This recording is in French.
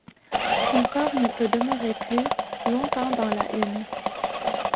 Son corps ne peut demeurer plus longtemps dans la hune.